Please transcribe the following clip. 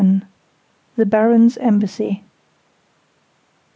THE BARONS EMBASSY.